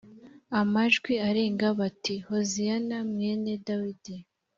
amajwi arenga bati “hoziyana mwene dawidi..”